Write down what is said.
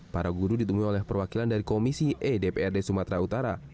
para guru ditemui oleh perwakilan dari komisi e dprd sumatera utara